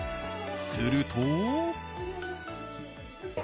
すると。